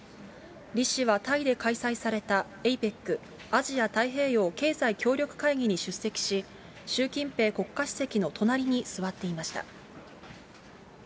李氏はタイで開催されたＡＰＥＣ・アジア太平洋経済協力会議に出席し、習近平国家主席の隣に座っていました。